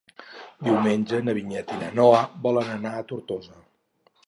Diumenge na Vinyet i na Noa volen anar a Tortosa.